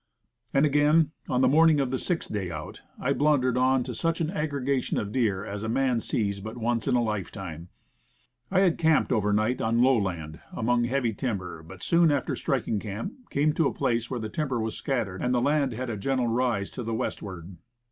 And again, on the morning of the sixth clay out, I blundered on to such an aggregation of deer as a man sees but once in a lifetime. I had camped over night on low land, among heavy timber, but soon after striking camp, came to a place where the timber was scattering, and the land had a gentle rise to the westward.